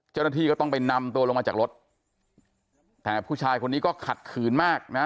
เจ้าหน้าที่ก็ต้องไปนำตัวลงมาจากรถแต่ผู้ชายคนนี้ก็ขัดขืนมากนะ